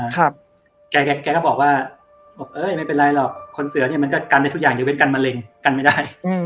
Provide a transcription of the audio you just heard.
แกก็บอกว่าไม่เป็นไรหรอกคนเสือกันได้ทุกอย่างอย่างเว้นกันมะเร็งกันไม่ได้